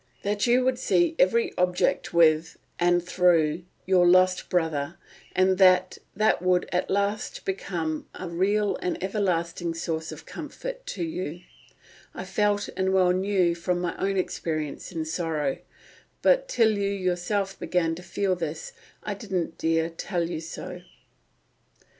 That you would see every object with, and through, your lost brother, and that that would at last become a real and everlasting source of comfort to you, I felt and well knew from my own experience in sorrow; but till you yourself began to feel this I didn't dare tell you so."